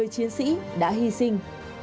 một mươi chiến sĩ đã hy sinh